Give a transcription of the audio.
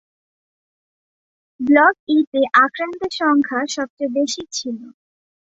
Block ই-তে আক্রান্তের সংখ্যা সবচেয়ে বেশী ছিল।